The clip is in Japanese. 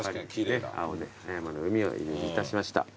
青で葉山の海をイメージいたしました。